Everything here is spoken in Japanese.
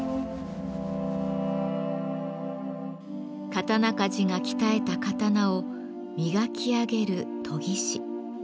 刀鍛冶が鍛えた刀を磨き上げる研ぎ師。